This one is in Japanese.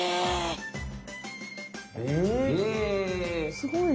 すごいね。